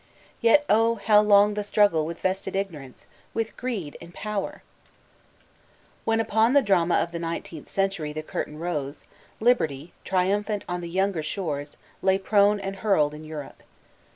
Yet, oh, how long the struggle widi vested ignorance, with greed in power 1 When upon the Drama of the Nineteenth Century the curtain rose. Liberty, triumphant on the younger shores, lay prone and hurled in Europe.